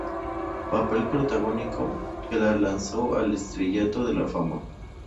Papel protagónico que la lanzó al estrellato de la fama.